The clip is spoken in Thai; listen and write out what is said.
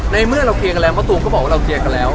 ในเมื่อเราเคยกันแล้วมาตรุกก็บอกว่าเราเคยกันแล้ว